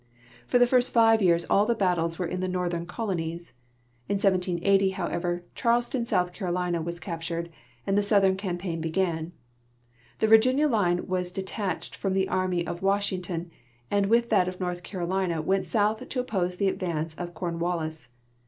For the first five years all the battles were in the northern colonies. In 1780, however, Charleston, South Carolina, was captured, and the southern campaign began. The Virginia line was detached from the army of W^ashington, and with that of North Carolina went south to oppose the advance of Cornwallis.